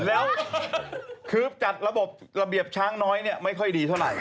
แล้วคือจัดระบบระเบียบช้างน้อยไม่ค่อยดีเท่าไหร่